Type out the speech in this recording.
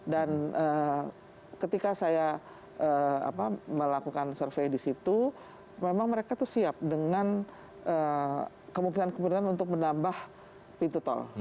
dan ketika saya melakukan survei di situ memang mereka itu siap dengan kemungkinan kemungkinan untuk menambah pintu tol